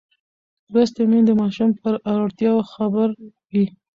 لوستې میندې د ماشوم پر اړتیاوو خبر وي.